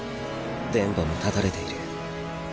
電波も断たれている。